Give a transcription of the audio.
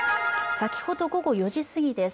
先ほど、午後４時過ぎです。